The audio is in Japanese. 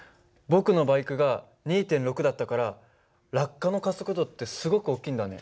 僕のバイクが２．６だったから落下の加速度ってすごく大きいんだね。